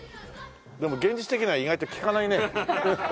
でも現実的には意外と効かないね。